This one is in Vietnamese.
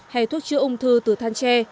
hay thuốc chữa ung thư từ than tre